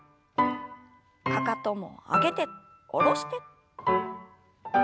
かかとも上げて下ろして。